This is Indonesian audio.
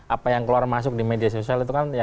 apa yang keluar masuk di media sosial itu kan